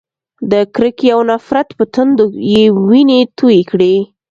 د کرکې او نفرت په تندو یې وینې تویې کړې.